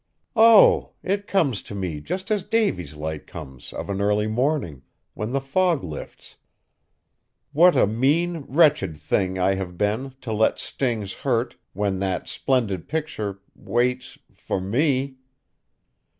Oh! it comes to me just as Davy's Light comes of an early morning, when the fog lifts. What a mean, wretched thing I have been to let stings hurt, when that splendid picture waits for me!"